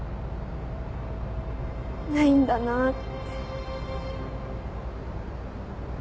ないんだなって。